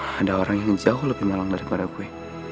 ada orang yang jauh lebih nyaman daripada gue